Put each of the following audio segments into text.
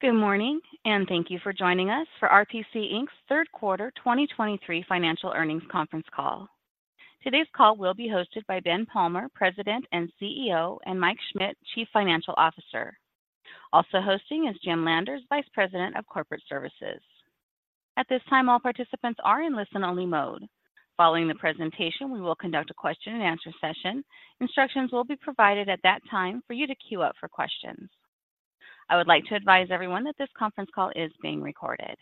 Good morning, and thank you for joining us for RPC, Inc's Third Quarter 2023 Financial Earnings Conference Call. Today's call will be hosted by Ben Palmer, President and CEO, and Mike Schmit, Chief Financial Officer. Also hosting is Jim Landers, Vice President of Corporate Services. At this time, all participants are in listen-only mode. Following the presentation, we will conduct a question-and-answer session. Instructions will be provided at that time for you to queue up for questions. I would like to advise everyone that this conference call is being recorded.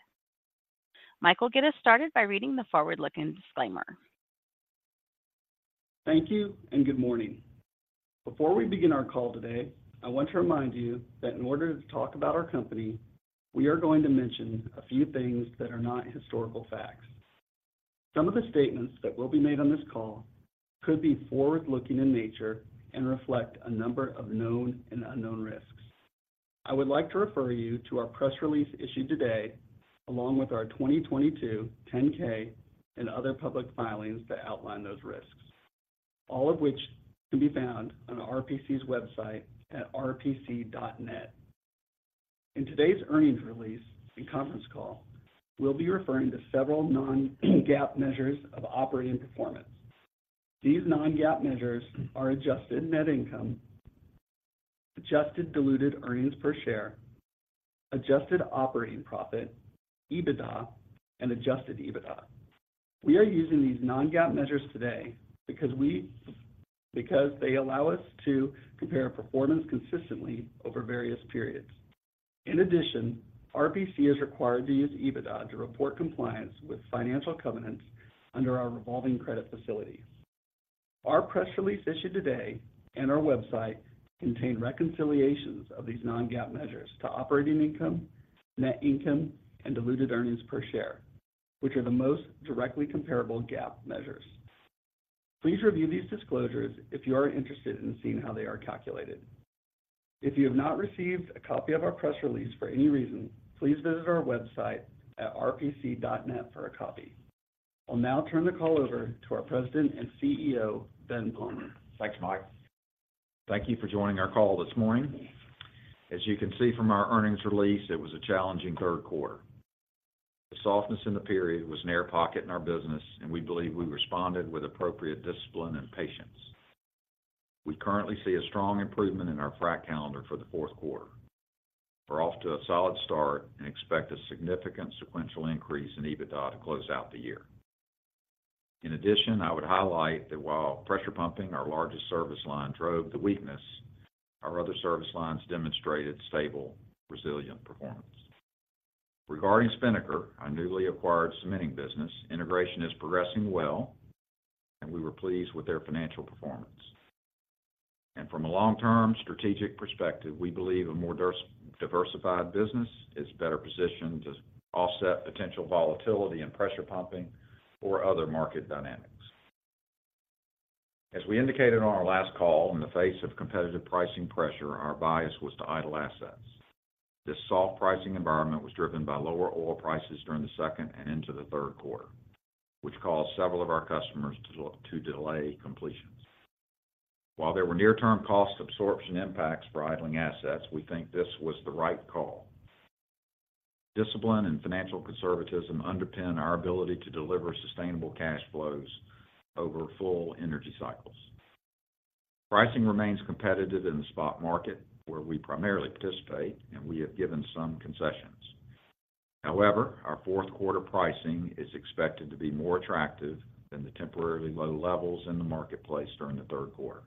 Mike will get us started by reading the forward-looking disclaimer. Thank you, and good morning. Before we begin our call today, I want to remind you that in order to talk about our company, we are going to mention a few things that are not historical facts. Some of the statements that will be made on this call could be forward-looking in nature and reflect a number of known and unknown risks. I would like to refer you to our press release issued today, along with our 2022 10-K and other public filings that outline those risks, all of which can be found on RPC's website at rpc.net. In today's earnings release and conference call, we'll be referring to several non-GAAP measures of operating performance. These non-GAAP measures are adjusted net income, adjusted diluted earnings per share, adjusted operating profit, EBITDA, and adjusted EBITDA. We are using these non-GAAP measures today because they allow us to compare performance consistently over various periods. In addition, RPC is required to use EBITDA to report compliance with financial covenants under our revolving credit facility. Our press release issued today and our website contain reconciliations of these non-GAAP measures to operating income, net income, and diluted earnings per share, which are the most directly comparable GAAP measures. Please review these disclosures if you are interested in seeing how they are calculated. If you have not received a copy of our press release for any reason, please visit our website at rpc.net for a copy. I'll now turn the call over to our President and CEO, Ben Palmer. Thanks, Mike. Thank you for joining our call this morning. As you can see from our earnings release, it was a challenging third quarter. The softness in the period was an air pocket in our business, and we believe we responded with appropriate discipline and patience. We currently see a strong improvement in our frac calendar for the fourth quarter. We're off to a solid start and expect a significant sequential increase in EBITDA to close out the year. In addition, I would highlight that while pressure pumping, our largest service line, drove the weakness, our other service lines demonstrated stable, resilient performance. Regarding Spinnaker, our newly acquired cementing business, integration is progressing well, and we were pleased with their financial performance. And from a long-term strategic perspective, we believe a more diversified business is better positioned to offset potential volatility in pressure pumping or other market dynamics. As we indicated on our last call, in the face of competitive pricing pressure, our bias was to idle assets. This soft pricing environment was driven by lower oil prices during the second and into the third quarter, which caused several of our customers to delay completions. While there were near-term cost absorption impacts for idling assets, we think this was the right call. Discipline and financial conservatism underpin our ability to deliver sustainable cash flows over full energy cycles. Pricing remains competitive in the spot market, where we primarily participate, and we have given some concessions. However, our fourth quarter pricing is expected to be more attractive than the temporarily low levels in the marketplace during the third quarter.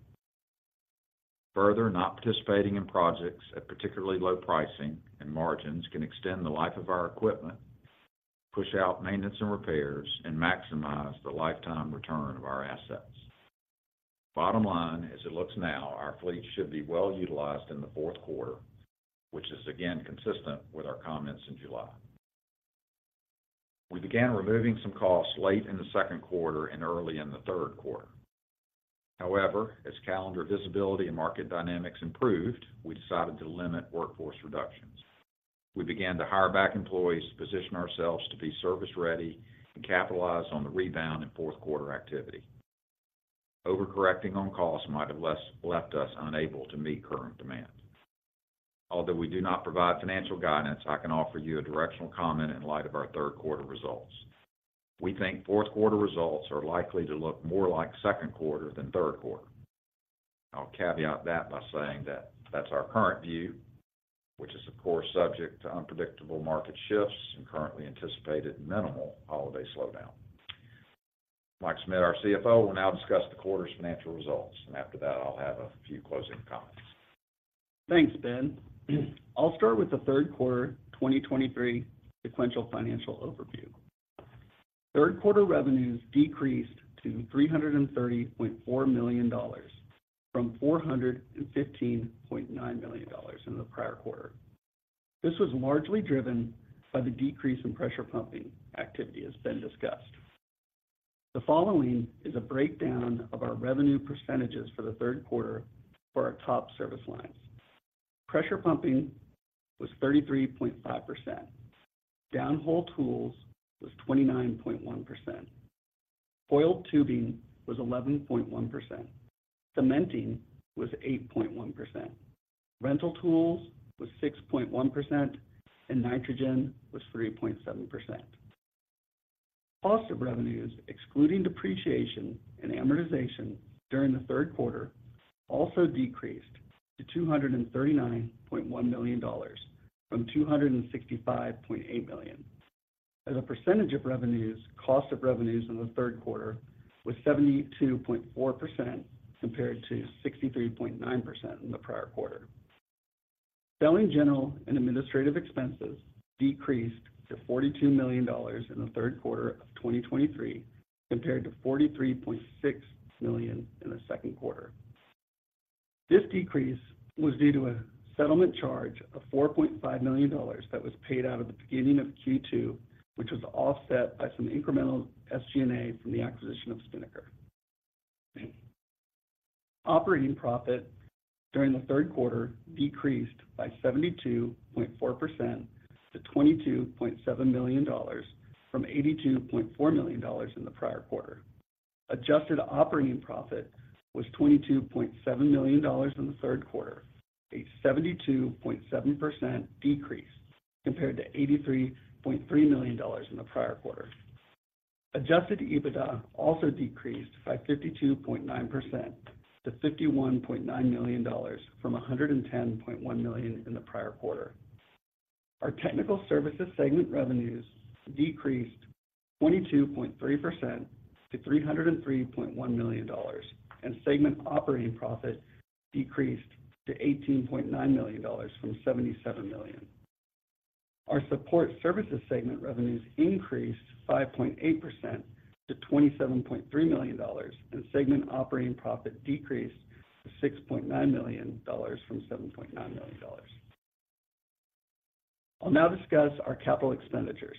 Further, not participating in projects at particularly low pricing and margins can extend the life of our equipment, push out maintenance and repairs, and maximize the lifetime return of our assets. Bottom line, as it looks now, our fleet should be well utilized in the fourth quarter, which is again consistent with our comments in July. We began removing some costs late in the second quarter and early in the third quarter. However, as calendar visibility and market dynamics improved, we decided to limit workforce reductions. We began to hire back employees to position ourselves to be service-ready and capitalize on the rebound in fourth quarter activity. Overcorrecting on costs might have left us unable to meet current demand. Although we do not provide financial guidance, I can offer you a directional comment in light of our third quarter results. We think fourth quarter results are likely to look more like second quarter than third quarter. I'll caveat that by saying that, that's our current view, which is, of course, subject to unpredictable market shifts and currently anticipated minimal holiday slowdown. Mike Schmit, our CFO, will now discuss the quarter's financial results, and after that, I'll have a few closing comments. Thanks, Ben. I'll start with the third quarter 2023 sequential financial overview. Third quarter revenues decreased to $330.4 million from $415.9 million in the prior quarter. This was largely driven by the decrease in pressure pumping activity, as Ben discussed. The following is a breakdown of our revenue percentages for the third quarter for our top service lines. Pressure pumping was 33.5%, downhole tools was 29.1%. Coiled tubing was 11.1%, cementing was 8.1%, rental tools was 6.1%, and nitrogen was 3.7%. Cost of revenues, excluding depreciation and amortization during the third quarter, also decreased to $239.1 million from $265.8 million. As a percentage of revenues, cost of revenues in the third quarter was 72.4%, compared to 63.9% in the prior quarter. Selling, general, and administrative expenses decreased to $42 million in the third quarter of 2023, compared to $43.6 million in the second quarter. This decrease was due to a settlement charge of $4.5 million that was paid out at the beginning of Q2, which was offset by some incremental SG&A from the acquisition of Spinnaker. Operating profit during the third quarter decreased by 72.4% to $22.7 million, from $82.4 million in the prior quarter. Adjusted operating profit was $22.7 million in the third quarter, a 72.7% decrease compared to $83.3 million in the prior quarter. Adjusted EBITDA also decreased by 52.9% to $51.9 million from $110.1 million in the prior quarter. Our Technical Services segment revenues decreased 22.3% to $303.1 million, and segment operating profit decreased to $18.9 million from $77 million. Our Support Services segment revenues increased 5.8% to $27.3 million, and segment operating profit decreased to $6.9 million from $7.9 million. I'll now discuss our capital expenditures.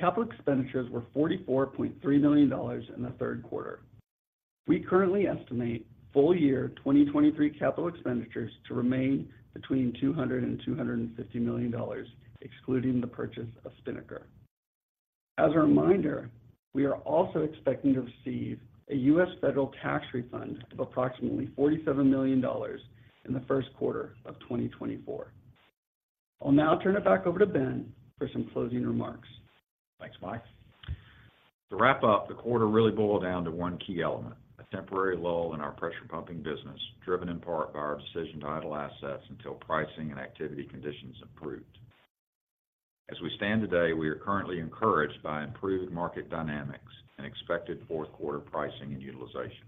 Capital expenditures were $44.3 million in the third quarter. We currently estimate full-year 2023 capital expenditures to remain between $200 million-$250 million, excluding the purchase of Spinnaker. As a reminder, we are also expecting to receive a U.S. federal tax refund of approximately $47 million in the first quarter of 2024. I'll now turn it back over to Ben for some closing remarks. Thanks, Mike. To wrap up, the quarter really boiled down to one key element: a temporary lull in our pressure pumping business, driven in part by our decision to idle assets until pricing and activity conditions improved. As we stand today, we are currently encouraged by improved market dynamics and expected fourth quarter pricing and utilization.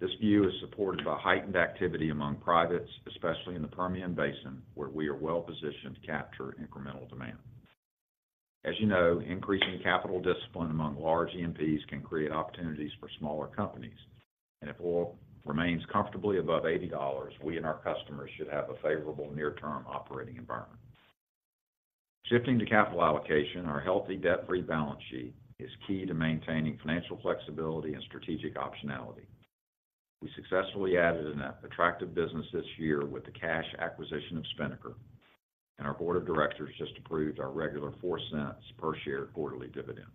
This view is supported by heightened activity among privates, especially in the Permian Basin, where we are well positioned to capture incremental demand. As you know, increasing capital discipline among large E&Ps can create opportunities for smaller companies, and if oil remains comfortably above $80, we and our customers should have a favorable near-term operating environment. Shifting to capital allocation, our healthy, debt-free balance sheet is key to maintaining financial flexibility and strategic optionality. We successfully added an attractive business this year with the cash acquisition of Spinnaker, and our board of directors just approved our regular $0.04 per share quarterly dividend.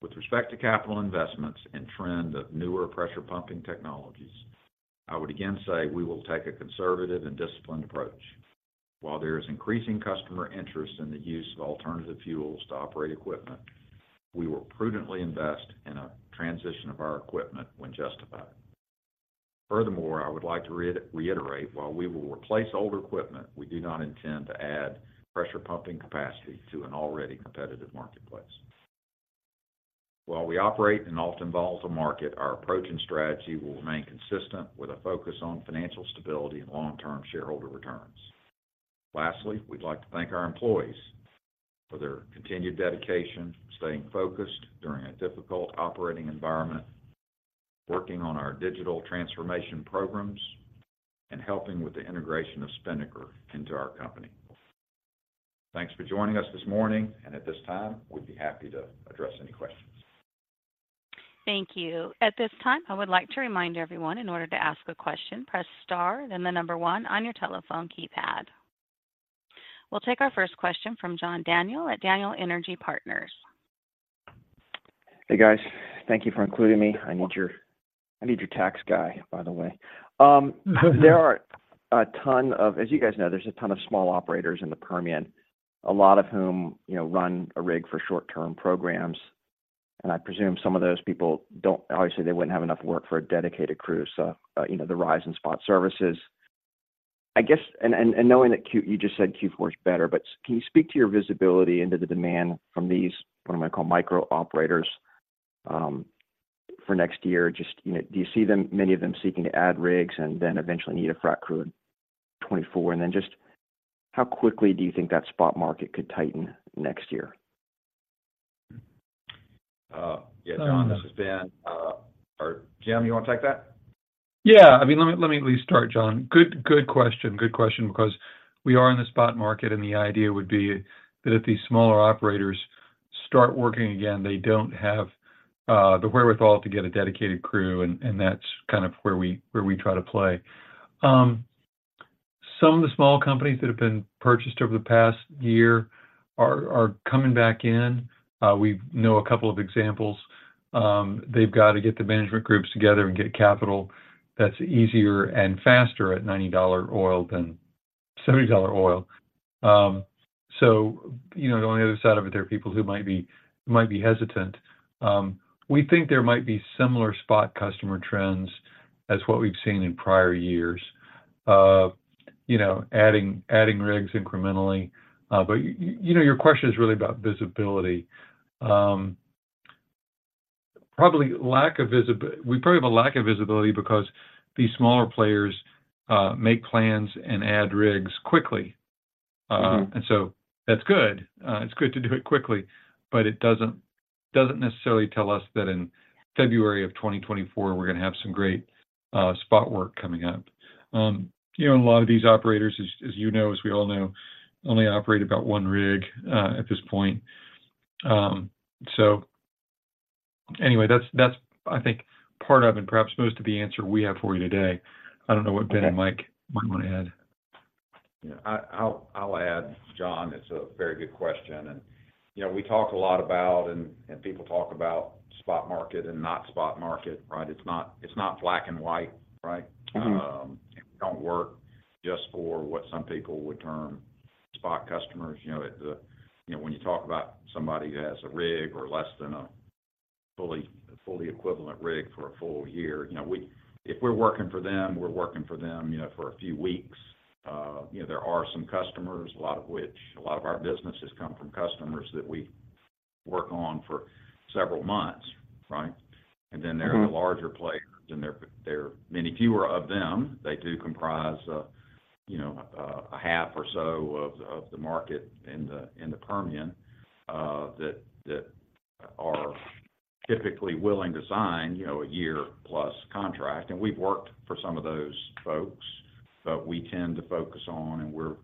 With respect to capital investments and trend of newer pressure pumping technologies, I would again say we will take a conservative and disciplined approach. While there is increasing customer interest in the use of alternative fuels to operate equipment, we will prudently invest in a transition of our equipment when justified. Furthermore, I would like to reiterate, while we will replace older equipment, we do not intend to add pressure pumping capacity to an already competitive marketplace. While we operate in an often volatile market, our approach and strategy will remain consistent, with a focus on financial stability and long-term shareholder returns. Lastly, we'd like to thank our employees for their continued dedication, staying focused during a difficult operating environment, working on our digital transformation programs, and helping with the integration of Spinnaker into our company. Thanks for joining us this morning, and at this time, we'd be happy to address any questions. Thank you. At this time, I would like to remind everyone, in order to ask a question, press star, then the number one on your telephone keypad. We'll take our first question from John Daniel at Daniel Energy Partners. Hey, guys. Thank you for including me. I need your... I need your tax guy, by the way. There are a ton of—as you guys know, there's a ton of small operators in the Permian, a lot of whom, you know, run a rig for short-term programs. And I presume some of those people don't—obviously, they wouldn't have enough work for a dedicated crew, so, you know, the rise in spot services. I guess knowing that Q—you just said Q4 is better, but can you speak to your visibility into the demand from these, what I'm gonna call, micro operators, for next year? Just, you know, do you see them, many of them, seeking to add rigs and then eventually need a frac crew in 2024? Just how quickly do you think that spot market could tighten next year? Yeah, John, this is Ben. Or Jim, you wanna take that? Yeah, I mean, let me, let me at least start, John. Good, good question, good question, because we are in the spot market, and the idea would be that if these smaller operators start working again, they don't have the wherewithal to get a dedicated crew, and, and that's kind of where we, where we try to play. Some of the small companies that have been purchased over the past year are, are coming back in. We know a couple of examples. They've got to get the management groups together and get capital that's easier and faster at $90 oil than $70 oil. So, you know, on the other side of it, there are people who might be, might be hesitant. We think there might be similar spot customer trends as what we've seen in prior years, you know, adding rigs incrementally. But you know, your question is really about visibility. We probably have a lack of visibility because these smaller players make plans and add rigs quickly. So that's good. It's good to do it quickly, but it doesn't necessarily tell us that in February of 2024, we're gonna have some great spot work coming up. You know, a lot of these operators, as you know, as we all know, only operate about one rig at this point. So anyway, that's I think part of, and perhaps most of the answer we have for you today. I don't know what Ben and Mike might want to add. Yeah. I'll add, John, it's a very good question. You know, we talk a lot about, people talk about spot market and not spot market, right? It's not black and white, right? And we don't work just for what some people would term spot customers. You know, at the—you know, when you talk about somebody that has a rig or less than a fully equivalent rig for a full year, you know, we—if we're working for them, we're working for them, you know, for a few weeks. You know, there are some customers, a lot of which, a lot of our business has come from customers that we work on for several months, right? Then there are the larger players, and there are many fewer of them. They do comprise, you know, a half or so of the market in the Permian, that are typically willing to sign, you know, a year-plus contract. We've worked for some of those folks, but we tend to focus on, and we're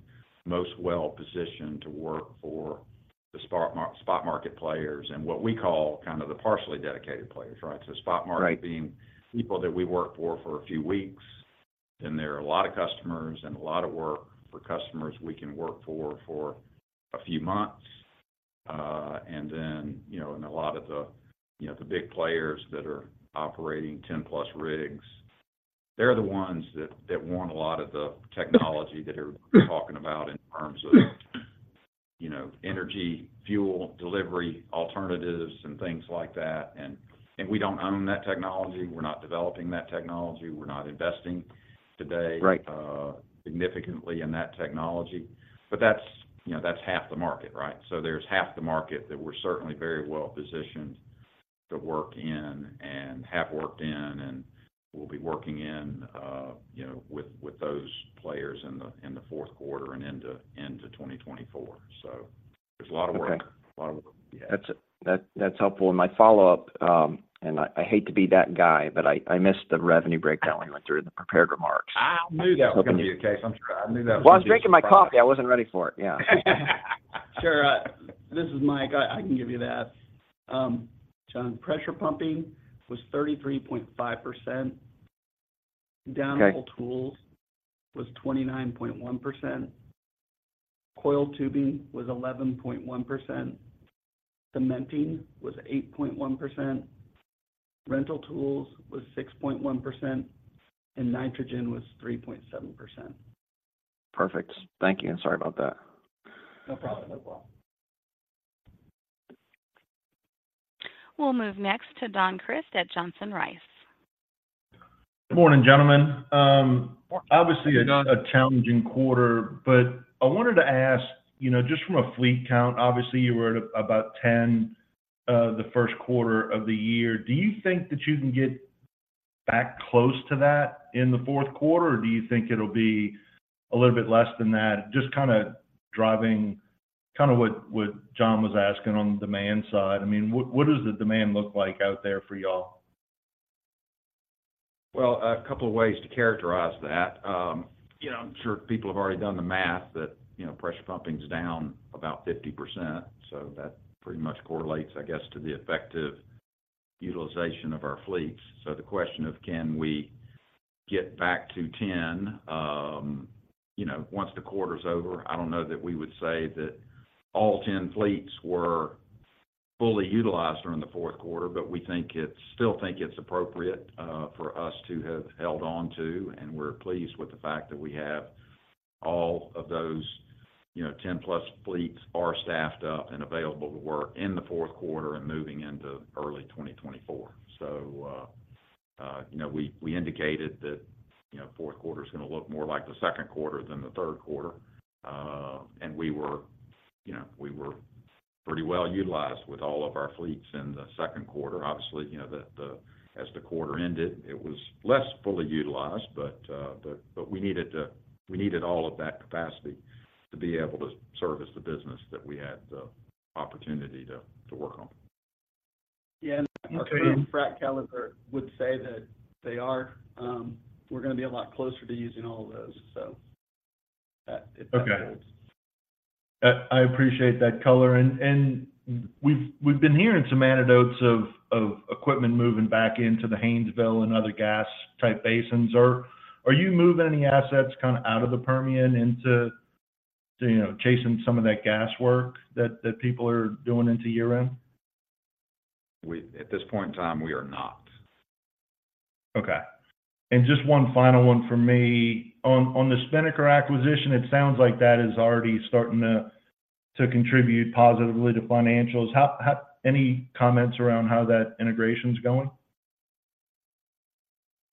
most well-positioned to work for the spot market players and what we call kind of the partially dedicated players, right? Right. So spot market being people that we work for for a few weeks, then there are a lot of customers and a lot of work for customers we can work for, for a few months. And then, you know, and a lot of the, you know, the big players that are operating 10+ rigs, they're the ones that, that want a lot of the technology that they're talking about in terms of... you know, energy, fuel, delivery, alternatives, and things like that. And, and we don't own that technology. We're not developing that technology. We're not investing today- Right. Significantly in that technology. But that's, you know, that's half the market, right? So there's half the market that we're certainly very well positioned to work in and have worked in, and we'll be working in, you know, with, with those players in the, in the fourth quarter and into, into 2024. So there's a lot of work. Okay. A lot of work. Yeah. That's helpful. And my follow-up, and I hate to be that guy, but I missed the revenue breakdown when you went through the prepared remarks. I knew that was gonna be the case. I'm sure. I knew that was gonna be- Well, I was drinking my coffee. I wasn't ready for it. Yeah. Sure. This is Mike. I can give you that. John, pressure pumping was 33.5%. Okay. Downhole tools was 29.1%. Coiled tubing was 11.1%. Cementing was 8.1%. Rental tools was 6.1%, and nitrogen was 3.7%. Perfect. Thank you, and sorry about that. No problem, no problem. We'll move next to Don Crist at Johnson Rice. Good morning, gentlemen. Good morning. Hey, Don. Obviously, a challenging quarter, but I wanted to ask, you know, just from a fleet count, obviously, you were at about 10, the first quarter of the year. Do you think that you can get back close to that in the fourth quarter, or do you think it'll be a little bit less than that? Just kinda driving, kinda what John was asking on the demand side. I mean, what does the demand look like out there for y'all? Well, a couple of ways to characterize that. You know, I'm sure people have already done the math that, you know, pressure pumping is down about 50%, so that pretty much correlates, I guess, to the effective utilization of our fleets. So the question of can we get back to 10, you know, once the quarter is over, I don't know that we would say that all 10 fleets were fully utilized during the fourth quarter. But we still think it's appropriate for us to have held on to, and we're pleased with the fact that we have all of those, you know, 10+ fleets are staffed up and available to work in the fourth quarter and moving into early 2024. You know, we indicated that, you know, fourth quarter is gonna look more like the second quarter than the third quarter. We were, you know, pretty well utilized with all of our fleets in the second quarter. Obviously, you know, as the quarter ended, it was less fully utilized, but we needed all of that capacity to be able to service the business that we had the opportunity to work on. Yeah, and our frac calendar would say that they are... We're gonna be a lot closer to using all of those, so that- Okay. I appreciate that color. And we've been hearing some anecdotes of equipment moving back into the Haynesville and other gas-type basins. Are you moving any assets kind of out of the Permian into, you know, chasing some of that gas work that people are doing into year-end? At this point in time, we are not. Okay. And just one final one from me. On the Spinnaker acquisition, it sounds like that is already starting to contribute positively to financials. How... Any comments around how that integration's going?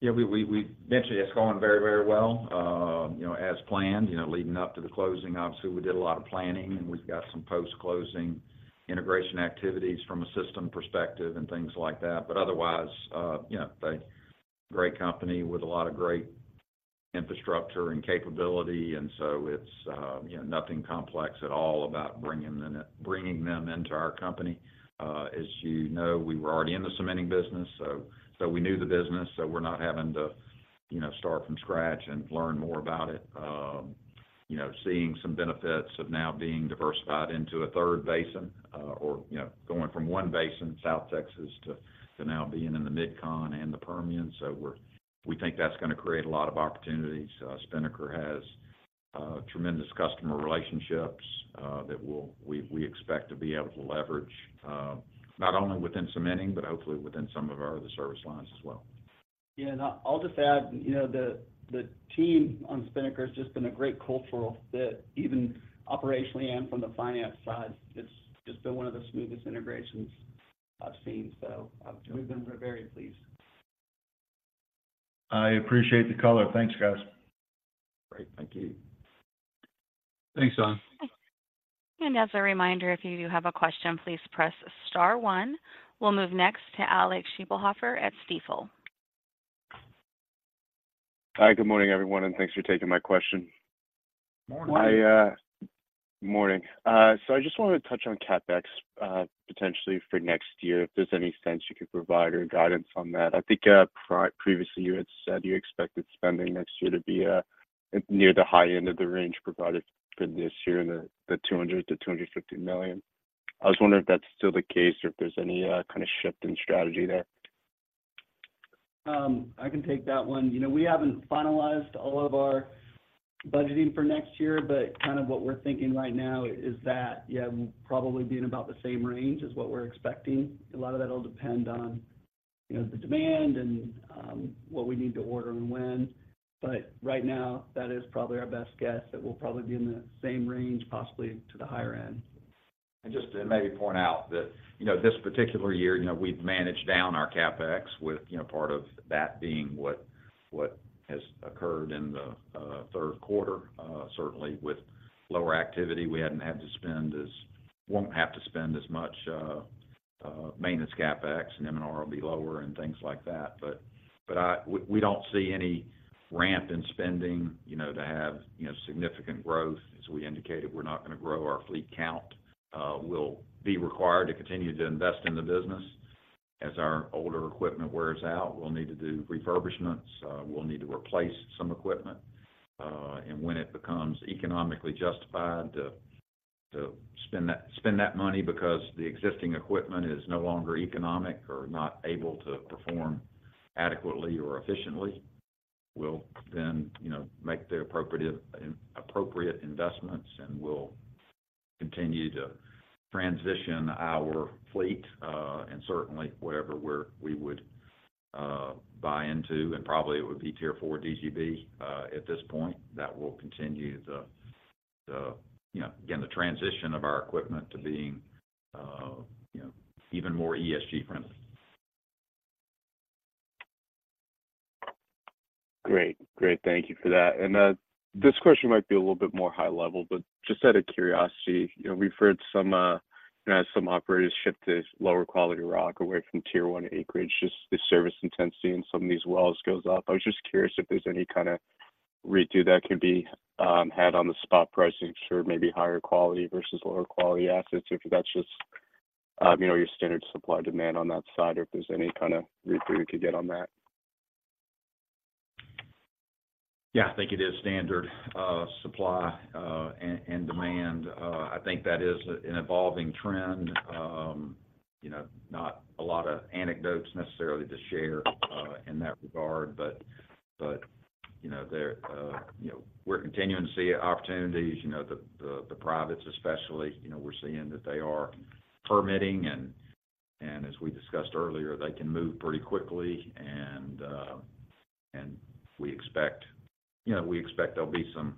Yeah, eventually, it's going very, very well, you know, as planned. You know, leading up to the closing, obviously, we did a lot of planning, and we've got some post-closing integration activities from a system perspective and things like that. But otherwise, you know, a great company with a lot of great infrastructure and capability, and so it's, you know, nothing complex at all about bringing them into our company. As you know, we were already in the cementing business, so we knew the business, so we're not having to, you know, start from scratch and learn more about it. You know, seeing some benefits of now being diversified into a third basin, or, you know, going from one basin, South Texas, to now being in the MidCon and the Permian. So we think that's gonna create a lot of opportunities. Spinnaker has tremendous customer relationships that we expect to be able to leverage, not only within cementing but hopefully within some of our other service lines as well. Yeah, and I'll just add, you know, the team on Spinnaker has just been a great cultural fit, even operationally and from the finance side. It's just been one of the smoothest integrations I've seen, so I've, we've been very pleased. I appreciate the color. Thanks, guys. Great. Thank you. Thanks, Don. As a reminder, if you do have a question, please press star one. We'll move next to Alec Scheibelhoffer at Stifel. Hi, good morning, everyone, and thanks for taking my question. Morning. Morning. So I just wanted to touch on CapEx, potentially for next year, if there's any sense you could provide or guidance on that. I think, previously, you had said you expected spending next year to be, near the high end of the range provided for this year, in the $200 million-$250 million. I was wondering if that's still the case or if there's any kind of shift in strategy there. I can take that one. You know, we haven't finalized all of our budgeting for next year, but kind of what we're thinking right now is that, yeah, we'll probably be in about the same range as what we're expecting. A lot of that will depend on, you know, the demand and, what we need to order and when. But right now, that is probably our best guess, that we'll probably be in the same range, possibly to the higher end. And just to maybe point out that, you know, this particular year, you know, we've managed down our CapEx with, you know, part of that being what has occurred in the third quarter. Certainly, with lower activity, we hadn't had to spend as much, won't have to spend as much maintenance CapEx, and M&R will be lower and things like that. But we don't see any ramp in spending, you know, to have, you know, significant growth. As we indicated, we're not gonna grow our fleet count. We'll be required to continue to invest in the business. As our older equipment wears out, we'll need to do refurbishments, we'll need to replace some equipment. And when it becomes economically justified to spend that money because the existing equipment is no longer economic or not able to perform adequately or efficiently, we'll then, you know, make the appropriate investments, and we'll continue to transition our fleet. And certainly, wherever we would buy into, and probably it would be Tier 4 DGB at this point, that will continue the, you know, again, the transition of our equipment to being, you know, even more ESG friendly. Great. Great, thank you for that. And, this question might be a little bit more high level, but just out of curiosity, you know, we've heard some, you know, as some operators shift to lower quality rock away from Tier 1 acreage, just the service intensity in some of these wells goes up. I was just curious if there's any kind of read through that could be had on the spot pricing for maybe higher quality versus lower quality assets, or if that's just, you know, your standard supply-demand on that side, or if there's any kind of read-through you could get on that. Yeah, I think it is standard supply and demand. I think that is an evolving trend. You know, not a lot of anecdotes necessarily to share in that regard, but you know, we're continuing to see opportunities, you know, the privates especially, you know, we're seeing that they are permitting, and as we discussed earlier, they can move pretty quickly, and we expect... You know, we expect there'll be some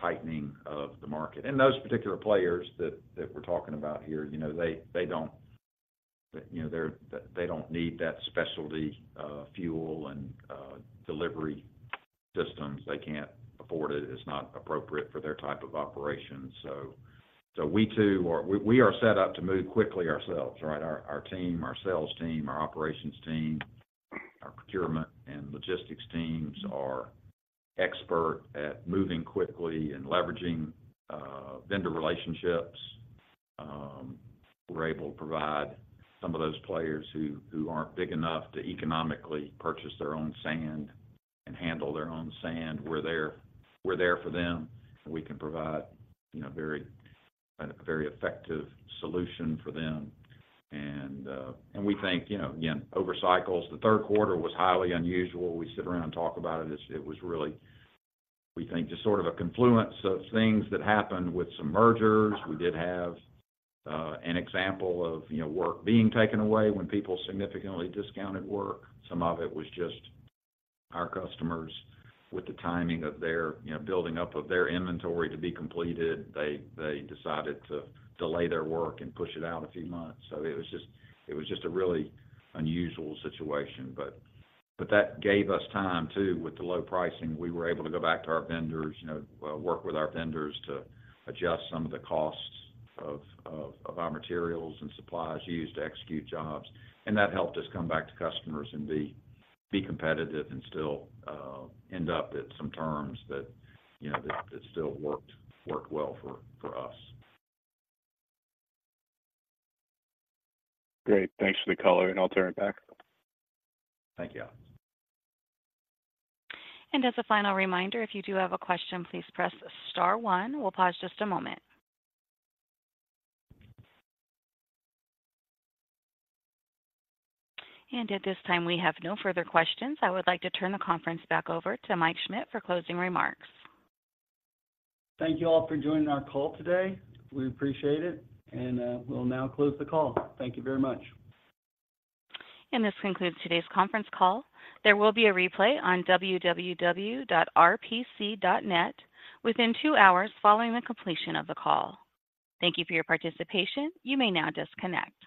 tightening of the market. And those particular players that we're talking about here, you know, they don't you know, they don't need that specialty fuel and delivery systems. They can't afford it. It's not appropriate for their type of operation. So we too are set up to move quickly ourselves, right? Our team, our sales team, our operations team, our procurement and logistics teams are expert at moving quickly and leveraging vendor relationships. We're able to provide some of those players who aren't big enough to economically purchase their own sand and handle their own sand. We're there, we're there for them, and we can provide, you know, a very effective solution for them. And we think, you know, again, over cycles, the third quarter was highly unusual. We sit around and talk about it. It was really, we think, just sort of a confluence of things that happened with some mergers. We did have an example of, you know, work being taken away when people significantly discounted work. Some of it was just our customers with the timing of their, you know, building up of their inventory to be completed. They decided to delay their work and push it out a few months. So it was just a really unusual situation, but that gave us time, too. With the low pricing, we were able to go back to our vendors, you know, work with our vendors to adjust some of the costs of our materials and supplies used to execute jobs, and that helped us come back to customers and be competitive and still end up at some terms that, you know, that still worked well for us. Great. Thanks for the color, and I'll turn it back. Thank you. As a final reminder, if you do have a question, please press star one. We'll pause just a moment. At this time, we have no further questions. I would like to turn the conference back over to Mike Schmit for closing remarks. Thank you all for joining our call today. We appreciate it, and we'll now close the call. Thank you very much. This concludes today's conference call. There will be a replay on www.rpc.net within 2 hours following the completion of the call. Thank you for your participation. You may now disconnect.